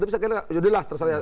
tapi saya kira yudahlah